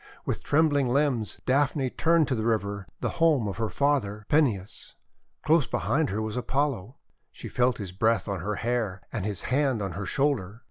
With trembling limbs Daphne turned to the river, the home of her father, Peneus. Close be hind her was Apollo. She felt his breath on her DAPHNE 335 hair and his hand on her shoulder.